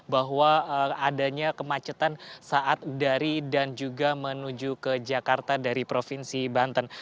bahwa adanya kemacetan saat dari dan juga menuju ke jakarta dari provinsi banten